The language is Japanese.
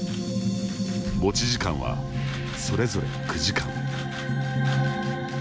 持ち時間は、それぞれ９時間。